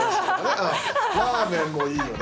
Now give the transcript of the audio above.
ラーメンもいいよね。